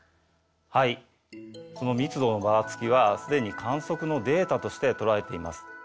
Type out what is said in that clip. はいその「密度のばらつき」はすでに観測のデータとしてとらえています。